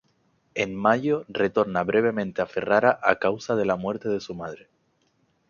En mayo retorna brevemente a Ferrara a causa de la muerte de su madre.